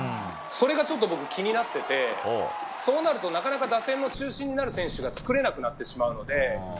それが気になっていてそうなるとなかなか打線の中心になる選手が作れなくなってしまうので。